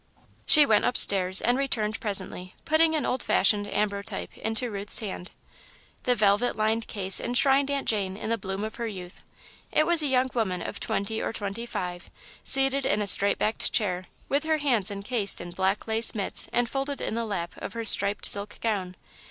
She went upstairs and returned, presently, putting an old fashioned ambrotype into Ruth's hand. The velvet lined case enshrined Aunt Jane in the bloom of her youth. It was a young woman of twenty or twenty five, seated in a straight backed chair, with her hands encased in black lace mitts and folded in the lap of her striped silk gown.